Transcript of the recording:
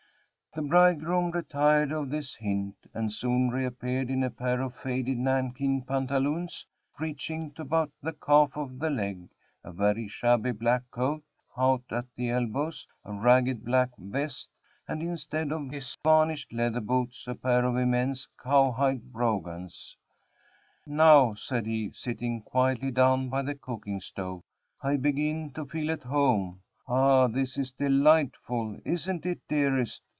The bridegroom retired on this hint, and soon reappeared in a pair of faded nankeen pantaloons, reaching to about the calf of the leg, a very shabby black coat, out at the elbows, a ragged black vest, and, instead of his varnished leather boots, a pair of immense cowhide brogans. "Now," said he, sitting quietly down by the cooking stove, "I begin to feel at home. Ah! this is delightful, isn't it, dearest?"